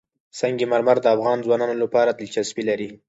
سنگ مرمر د افغان ځوانانو لپاره دلچسپي لري.